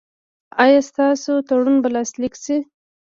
ایا ستاسو تړون به لاسلیک شي؟